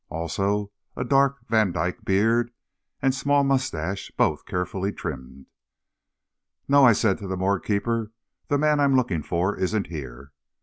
Also a dark Vandyke beard and small mustache, both carefully trimmed. "No," I said to the morgue keeper, "the man I'm looking for isn't here."